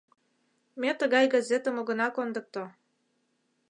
Ме тыгай газетым огына кондыкто.